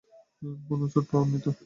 কোনও চোট পাওনি তো তুমি?